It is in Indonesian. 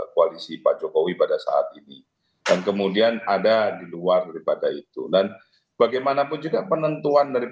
koalisi pak jokowi pada saat ini dan kemudian ada di luar daripada itu dan bagaimanapun juga penentuan dari